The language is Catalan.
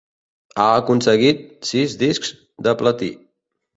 Ha aconseguit sis discs de platí.